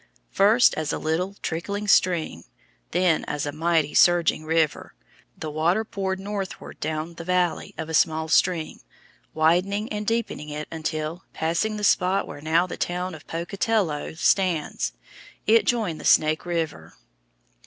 First as a little, trickling stream, then as a mighty, surging river, the water poured northward down the valley of a small stream, widening and deepening it until, passing the spot where now the town of Pocatello stands, it joined the Snake River.